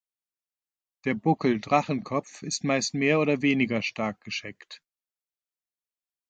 Der Buckel-Drachenkopf ist meist mehr oder weniger stark gescheckt.